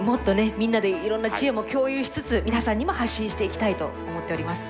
みんなでいろんな知恵も共有しつつ皆さんにも発信していきたいと思っております。